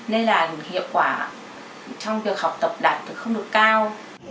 nên là hiệu quả trong việc học tập đạt không được cao